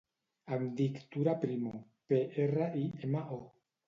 Em dic Tura Primo: pe, erra, i, ema, o.